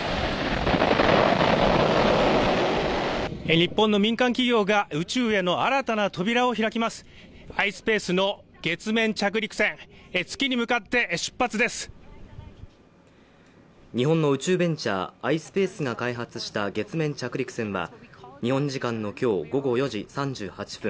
日本の民間企業が宇宙への新たな扉を開きますｉｓｐａｃｅの月面着陸船月に向かって出発です日本の宇宙ベンチャーｉｓｐａｃｅが開発した月面着陸船は日本時間のきょう午後４時３８分